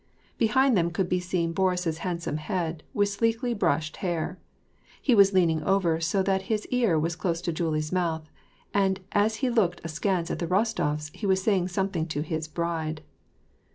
Behind them could be seen Boris's handsome head, with sleekly brushed hair. He was leaning over so that his ear was close to Julie's mouth, and as he looked askance at the Bostofs he was saying something to his ^^ bride."